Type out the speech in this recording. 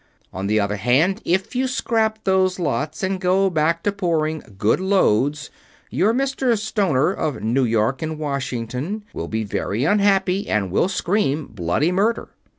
On the other hand, if you scrap those lots and go back to pouring good loads, your Mr. Stoner, of New York and Washington, will be very unhappy and will scream bloody murder.